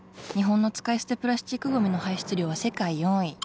日本の使い捨てプラスチックごみの排出量は世界４位。